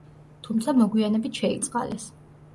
თუმცა მოგვიანებით შეიწყალეს.